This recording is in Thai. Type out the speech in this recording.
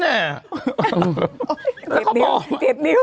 เก็บนิ้วเก็บนิ้ว